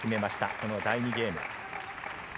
この第２ゲーム。